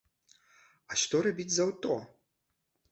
А што рабіць з аўто?